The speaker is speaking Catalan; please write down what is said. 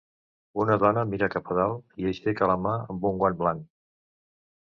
Una dona mira cap a dalt i aixeca la mà amb un guant blanc.